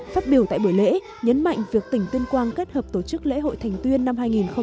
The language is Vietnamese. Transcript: phát biểu tại buổi lễ nhấn mạnh việc tỉnh tuyên quang kết hợp tổ chức lễ hội thành tuyên năm hai nghìn hai mươi